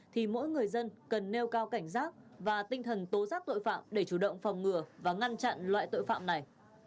thì mỗi người dân cần nêu cao cảnh giác và tinh thần tố giác tội phạm để chủ động phòng ngừa và ngăn chặn loại tội phạm này